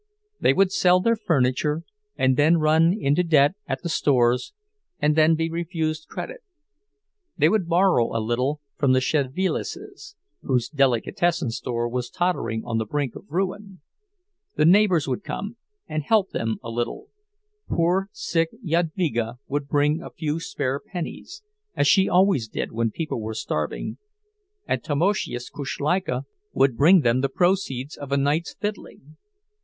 They would sell their furniture, and then run into debt at the stores, and then be refused credit; they would borrow a little from the Szedvilases, whose delicatessen store was tottering on the brink of ruin; the neighbors would come and help them a little—poor, sick Jadvyga would bring a few spare pennies, as she always did when people were starving, and Tamoszius Kuszleika would bring them the proceeds of a night's fiddling.